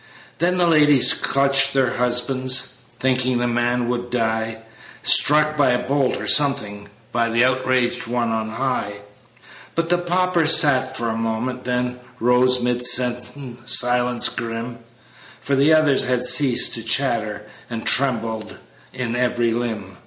Then the ladies clutched their husbands, Thinking the man would die, Struck by a bolt, or something, By the outraged One on high. But the pauper sat for a moment, Then rose 'mid a silence grim, For the others had ceased to chatter And trembled in every limb.